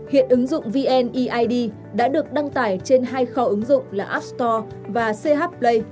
hiện ứng dụng vneid đã được đăng tải trên hai kho ứng dụng là app store và ch play